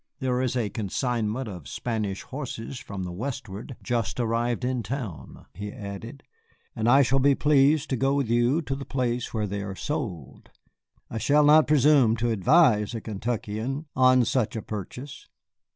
There is a consignment of Spanish horses from the westward just arrived in town," he added, "and I shall be pleased to go with you to the place where they are sold. I shall not presume to advise a Kentuckian on such a purchase."